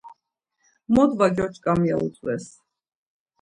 Mot va gyoç̌ǩam ya utzves.